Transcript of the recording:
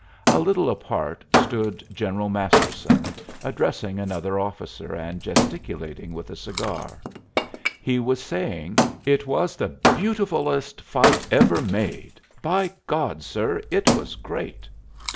A little apart stood General Masterson addressing another officer and gesticulating with a cigar. He was saying: "It was the beautifulest fight ever made by God, sir, it was great!"